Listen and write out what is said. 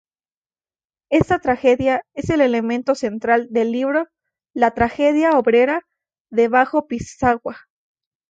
Esta tragedia es el elemento central del libro "La Tragedia Obrera de Bajo Pisagua.